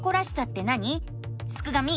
すくがミ！